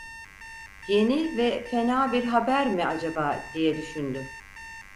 Yeni ve fena bir haber mi acaba, diye düşündü.